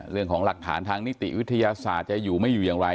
เรื่องของหลักฐานทางนิติวิทยาศาสตร์จะอยู่ไม่อยู่อย่างไร